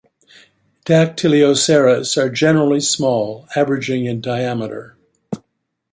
"Dactylioceras" are generally small, averaging in diameter.